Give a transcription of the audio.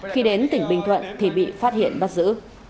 khi đến tỉnh bình thuận thì bị phát hiện bắt giữ